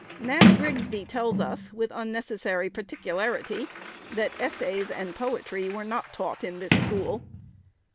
Nat Grigsby tells us, with unnecessary particularity, that "essays and poetry were not taught in this school."